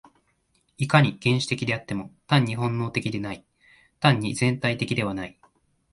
いかに原始的であっても、単に本能的ではない、単に全体的ではない。